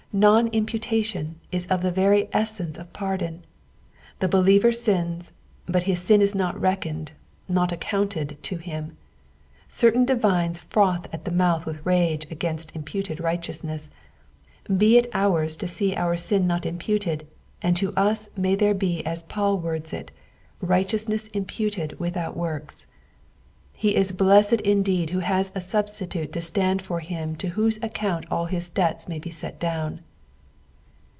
Non imputation is of the very essence of pardon : the be lieversins, but his sin is not reckoned, not accounted to him. Certain divines froth at the mouth with rage against imputed righteousness, be it ours to see our sin not imputed, and to us may there be as Paul words it, " Righteousness imputed without works." He b blessed indeed who has a subslituto to stand for bim to whose account all Ilia debts may be set down.